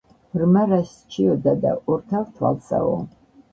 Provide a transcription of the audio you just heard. ბრმა რას სჩიოდა და _ ორთავ თვალსაო!